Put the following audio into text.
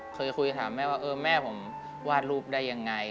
เคยคุยถามแม่ว่าเออแม่ผมวาดรูปได้ยังไง